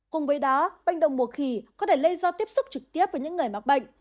cùng với đó bệnh đồng mùa khỉ có thể lây do tiếp xúc trực tiếp với những người mắc bệnh